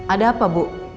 ada apa bu